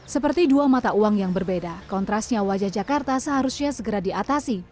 seperti dua mata uang yang berbeda kontrasnya wajah jakarta seharusnya segera diatasi